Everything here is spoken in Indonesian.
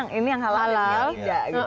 ini menu yang non halal ini yang halal